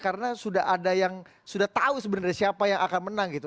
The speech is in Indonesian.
karena sudah ada yang sudah tahu sebenarnya siapa yang akan menang gitu